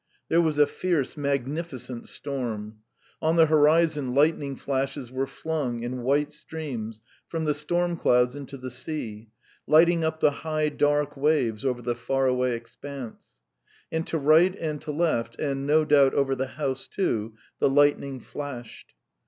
There was a fierce, magnificent storm. On the horizon lightning flashes were flung in white streams from the storm clouds into the sea, lighting up the high, dark waves over the far away expanse. And to right and to left, and, no doubt, over the house too, the lightning flashed.